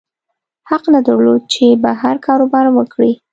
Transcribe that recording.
حق نه درلود چې بهر کاروبار وکړي.